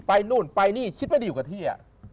นู่นไปนี่ชิดไม่ได้อยู่กับที่